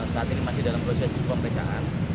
saat ini masih dalam proses pemeriksaan